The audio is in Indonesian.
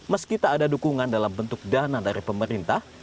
meski tak ada dukungan dalam bentuk dana dari pemerintah